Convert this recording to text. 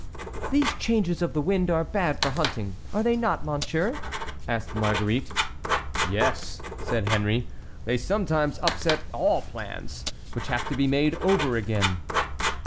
"These changes of the wind are bad for hunting, are they not, monsieur?" asked Marguerite. "Yes," said Henry; "they sometimes upset all plans, which have to be made over again."